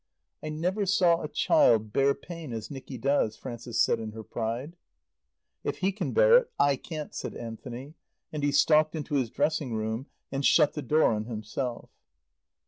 "I never saw a child bear pain as Nicky does," Frances said in her pride. "If he can bear it, I can't," said Anthony. And he stalked into his dressing room and shut the door on himself.